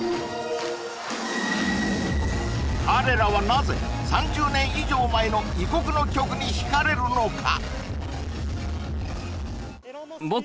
彼らはなぜ３０年以上前の異国の曲にひかれるのか？